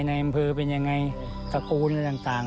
ในอำเภอเป็นยังไงตระกูลอะไรต่าง